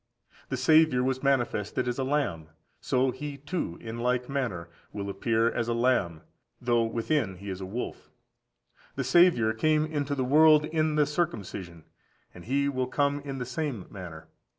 The Saviour was manifested as a lamb;14181418 John i. 29. so he too, in like manner, will appear as a lamb, though within he is a wolf. The Saviour came into the world in the circumcision, and he will come in the same manner.